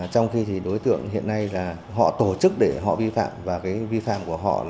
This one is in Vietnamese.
trong khi đối tượng hiện nay họ tổ chức để họ vi phạm